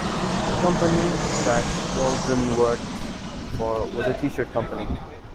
The company that Wauldron worked for was a T-shirt company.